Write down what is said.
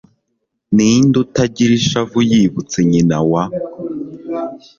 ninde utagira ishavu, yibutse nyina wa